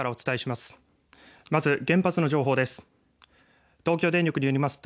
まず原発の情報です。